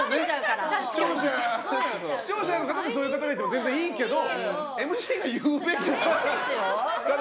視聴者の方でそういう方がいても全然いいけどＭＣが言うべきじゃない。